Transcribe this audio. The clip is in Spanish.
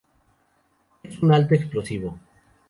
Es un alto explosivo.